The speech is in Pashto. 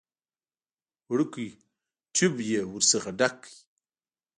وړوکی ټيوب يې ورڅخه ډک کړ.